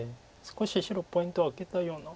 少し白ポイントを挙げたような。